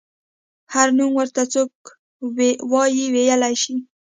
هر نوم ورته څوک وايي ویلی شي.